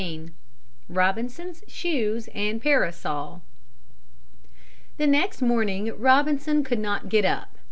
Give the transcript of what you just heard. XV ROBINSON'S SHOES AND PARASOL The next morning Robinson could not get up.